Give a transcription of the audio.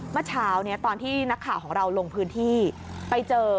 เมื่อเช้าตอนที่นักข่าวของเราลงพื้นที่ไปเจอ